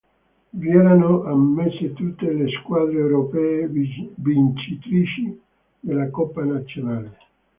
Vi erano ammesse tutte le squadre europee vincitrici della coppa nazionale.